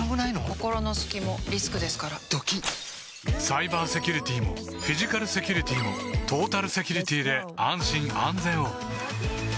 心の隙もリスクですからドキッサイバーセキュリティもフィジカルセキュリティもトータルセキュリティで安心・安全を